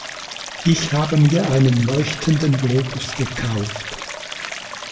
Ich habe mir einen leuchtenden Globus gekauft.